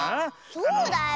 そうだよ。